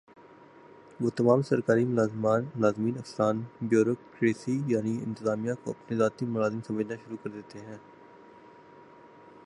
وہ تمام سرکاری ملازمین افسران بیورو کریسی یعنی انتظامیہ کو اپنا ذاتی ملازم سمجھنا شروع کر دیتے ہیں ۔